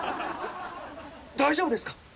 大丈夫ですか？